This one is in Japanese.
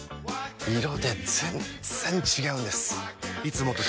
色で全然違うんです！